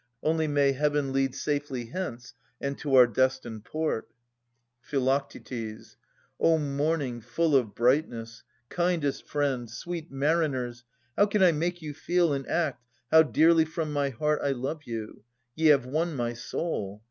Only may Heaven Lead safely hence and to our destined port! Phi. O morning full of brightness ! Kindest friend, Sweet mariners, how can I make you feel. In act, how dearly from my heart I love you ! Ye have won my soul.